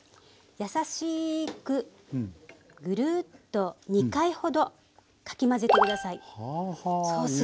優しくぐるっと２回ほどかき混ぜて下さい。